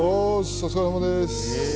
お疲れさまです。